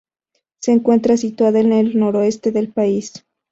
Se encuentra situada en el noroeste del país.